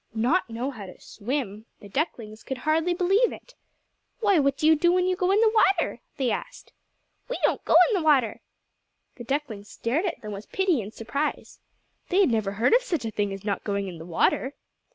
Not know how to swim! The ducklings could hardly believe it. "Why, what do you do when you go in the water?" they asked. "We don't go in the water!" The ducklings stared at them with pity and surprise. They had never heard of such a thing as not going in the water.